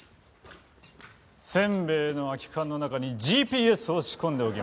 せんべいの空き缶の中にＧＰＳを仕込んでおきました。